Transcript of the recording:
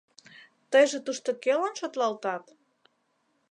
«Тыйже тушто кӧлан шотлалтат?»